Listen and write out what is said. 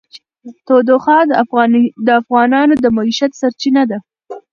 تودوخه د افغانانو د معیشت سرچینه ده.